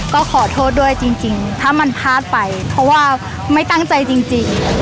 ก็ขอโทษด้วยจริงถ้ามันพลาดไปเพราะว่าไม่ตั้งใจจริง